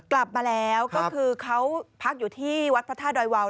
กลับมาแล้วก็คือเขาพักอยู่ที่วัดพระธาตุดอยวาว